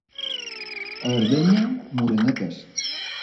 A Ardenya, morenetes.